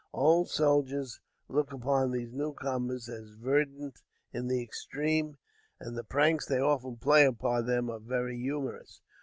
Old soldiers look upon these new comers as verdant in the extreme, and the pranks they often play upon them are very humorous.